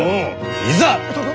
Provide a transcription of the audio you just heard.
いざ！